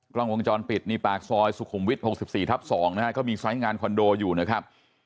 กล้องวงจรปิดนี่ปากซอยสุขุมวิทย์๖๔ทับ๒นะฮะก็มีไซส์งานคอนโดอยู่นะครับ